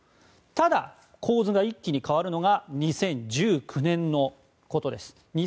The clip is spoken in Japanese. ただ、構図が一気に変わるのが２０１９年のことです。